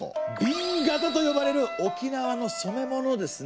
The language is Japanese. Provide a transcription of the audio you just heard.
「紅型」と呼ばれる沖縄の染め物ですね。